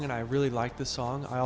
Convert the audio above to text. untuk dia dikandalkan di lagu ini